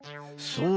そう。